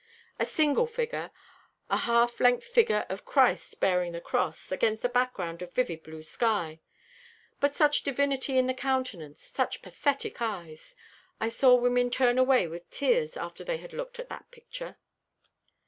A single figure a half length figure of Christ bearing the cross, against a background of vivid blue sky. But such divinity in the countenance, such pathetic eyes! I saw women turn away with tears after they had looked at that picture."